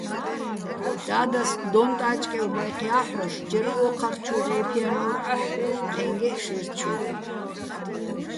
და́დას დონ-ტა́ჭკევ მაჲჴი̆ ჲა́ჰ̦ოშ ჯერ ო́ჴარჩუ ჲჵე́ფჲანო́რ აჰ̦ო̆, ჴე́ჼგეჸ შაჲრჩუ.